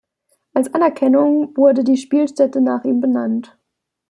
Als Anerkennung wurde die Spielstätte nach ihm benannt.